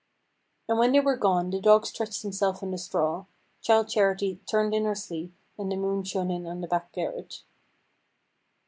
And when they were gone the dog stretched himself on the straw, Childe Charity turned in her sleep, and the moon shone in on the back garret.